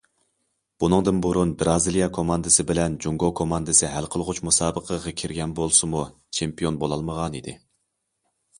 بۇنىڭدىن بۇرۇن بىرازىلىيە كوماندىسى بىلەن جۇڭگو كوماندىسى ھەل قىلغۇچ مۇسابىقىگە كىرگەن بولسىمۇ چېمپىيون بولالمىغانىدى.